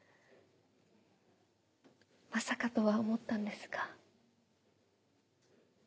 まさかとは思ったんですが。